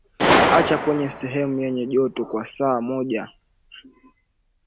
acha kwenye sehemu yenye joto kwa saa moja